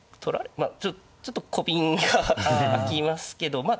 まあちょっとコビンがあきますけどまあ